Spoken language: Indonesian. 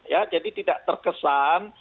ya jadi tidak terkesan